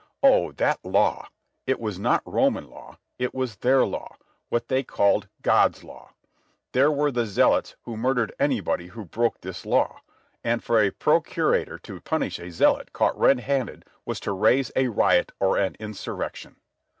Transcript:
Oh, that Law! It was not the Roman law. It was their law, what they called God's law. There were the zealots, who murdered anybody who broke this law. And for a procurator to punish a zealot caught red handed was to raise a riot or an insurrection.